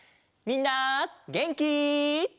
みんなげんき？